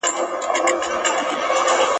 موږ اصیل یو د اصیل نیکه زامن یو !.